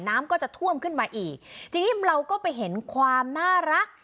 น้ำก็จะท่วมขึ้นมาอีกทีนี้เราก็ไปเห็นความน่ารัก